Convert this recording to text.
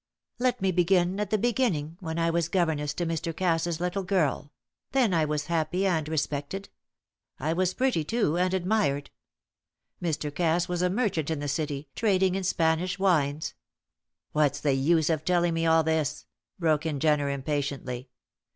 "Let me begin at the beginning, when I was governess to Mr. Cass's little girl; then I was happy and respected. I was pretty, too, and admired. Mr. Cass was a merchant in the city, trading in Spanish wines " "What's the use of telling me all this?" broke in Jenner, impatiently.